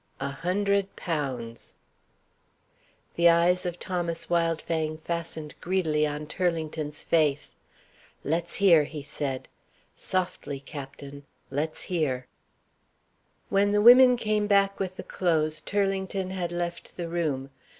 "A hundred pounds." The eyes of Thomas Wildfang fastened greedily on Turlington's face. "Let's hear," he said. "Softly, captain. Let's hear." When the women came back with the clothes, Turlington had left the room.